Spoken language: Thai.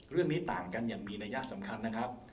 เรื่องนี้ต่างกันอย่างมีระยะสำคัญนะครับ